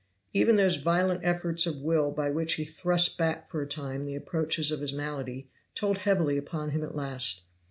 Even those violent efforts of will by which he thrust back for a time the approaches of his malady told heavily upon him at last.